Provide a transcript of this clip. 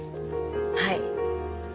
はい。